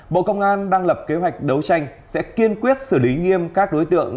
bộ công an đang lập kế hoạch đấu tranh sẽ kiên quyết xử lý nghiêm các đối tượng